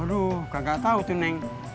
aduh kagak tahu tuh neng